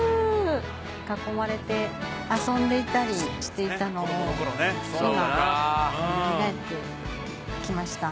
囲まれて遊んでいたりしていたのを今よみがえってきました。